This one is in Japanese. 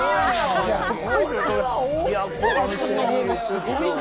すごいよ！